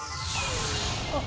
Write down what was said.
あっ。